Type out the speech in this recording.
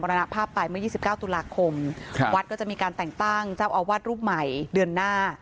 รณภาพไปเมื่อ๒๙ตุลาคมครับวัดก็จะมีการแต่งตั้งเจ้าอาวาสรูปใหม่เดือนหน้า